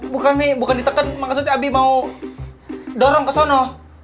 bukan nih bukan ditekan maksudnya abi mau dorong ke sana